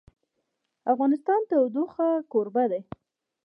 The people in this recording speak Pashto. افغانستان د تودوخه کوربه دی.